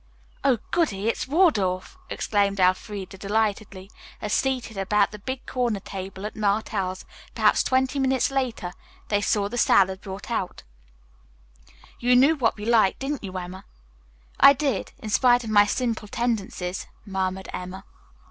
"Oh, goody, it's Waldorf!" exclaimed Elfreda delightedly, as, seated about the big corner table at Martell's, perhaps twenty minutes later, they saw the salad brought on. "You knew what we liked, didn't you, Emma?" "I did, in spite of my simple tendencies," murmured Emma.